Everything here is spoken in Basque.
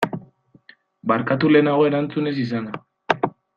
Barkatu lehenago erantzun ez izana.